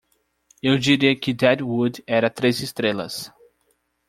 Eu diria que Dead Wood era três estrelas